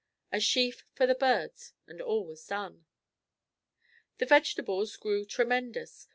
A sheaf for the birds and all was done. The vegetables grew tremendous.